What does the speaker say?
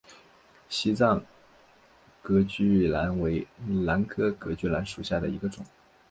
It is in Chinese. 西藏隔距兰为兰科隔距兰属下的一个种。